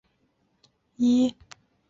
马泰绍尔考。